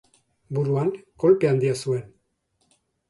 Buruan kolpe handia zuen.